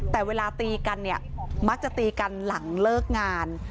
แต่เวลาตีกันเนี่ยมักจะตีกันหลังเลิกงาน